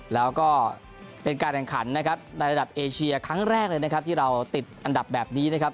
แล้วก็เป็นการแข่งขันนะครับในระดับเอเชียครั้งแรกเลยนะครับที่เราติดอันดับแบบนี้นะครับ